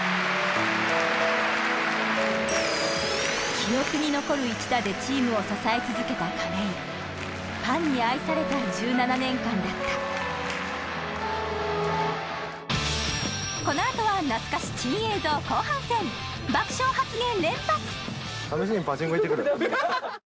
・記憶に残る１打でチームを支え続けた亀井ファンに愛された１７年間だったこの後は懐かし珍映像後半戦爆笑発言